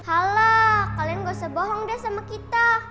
hala kalian gak usah bohong deh sama kita